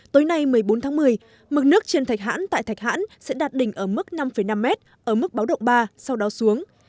tối nay một mươi bốn tháng một mươi mực nước trên thạch hãn tại thạch hãn sẽ đạt đỉnh ở mức năm năm m ở mức báo động ba sau đó xuống